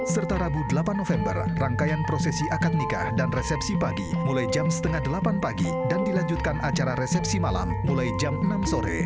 serta rabu delapan november rangkaian prosesi akad nikah dan resepsi pagi mulai jam setengah delapan pagi dan dilanjutkan acara resepsi malam mulai jam enam sore